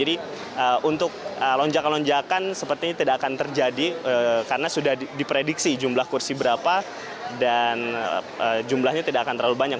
jadi untuk lonjakan lonjakan seperti ini tidak akan terjadi karena sudah diprediksi jumlah kursi berapa dan jumlahnya tidak akan terlalu banyak